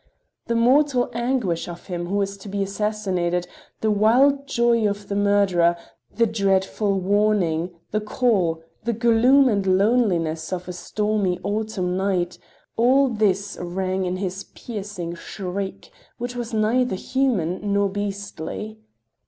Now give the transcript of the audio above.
The mortal anguish of him who is to be assassinated, the wild joy of the murderer, the dreadful warning, the call, the gloom and loneliness of a stormy autumn night—all this rang in his piercing shriek, which was neither human nor beastly.